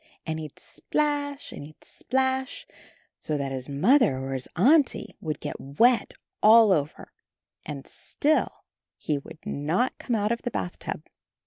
And he'd splash and he'd splash, so that his Mother or his Auntie would get wet all over, and still he would not come out of the bathtub.